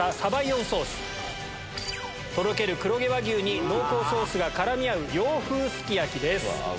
とろける黒毛和牛に濃厚ソースが絡み合う洋風すき焼きです。